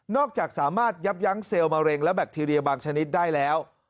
จากสามารถยับยั้งเซลล์มะเร็งและแบคทีเรียบางชนิดได้แล้ว